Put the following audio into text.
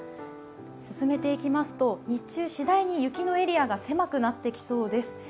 進めていきますと、日中しだいに雪のエリアが狭くなってきそうです。